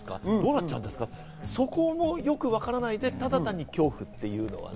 って、そこもよくわからないで、ただ単に恐怖っていうのはね。